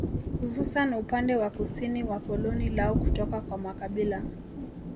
Hususan upande wa kusini wa koloni lao kutoka kwa makabila